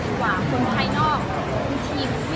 ช่องความหล่อของพี่ต้องการอันนี้นะครับ